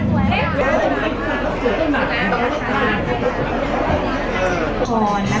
ก็ไม่มีคนกลับมาหรือเปล่า